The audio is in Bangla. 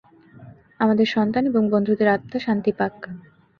আমাদের সন্তান এবং বন্ধুদের আত্মা শান্তি পাক।